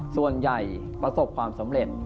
ส่วนใหญ่ประสบความสำเร็จ